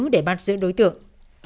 để bắt giữ đối tượng